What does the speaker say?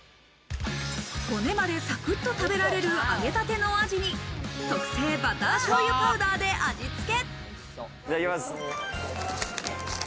骨までサクっと食べられる揚げたてのアジに、特製バター醤油パウダーで味付け。